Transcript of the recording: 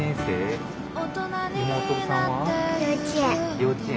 幼稚園。